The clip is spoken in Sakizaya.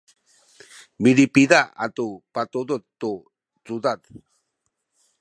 milipida atu patudud tu cudad